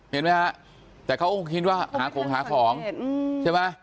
เห็นไหมฮะแต่เขาคงคิดว่าหาของหาของใช่ไหม